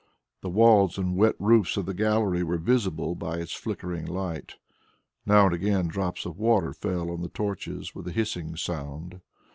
The walls and wet roofs of the gallery were visible by its flickering light. Now and again drops of water fell on the torches with a hissing sound.